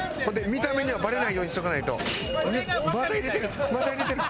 見た目にはバレないようにしないと。